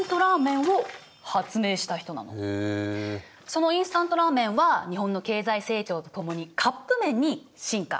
そのインスタントラーメンは日本の経済成長とともにカップ麺に進化。